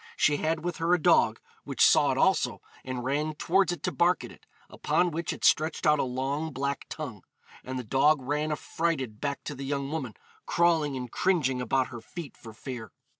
She had with her a dog, which saw it also, and ran towards it to bark at it, upon which it stretched out a long black tongue, and the dog ran affrighted back to the young woman, crawling and cringing about her feet for fear.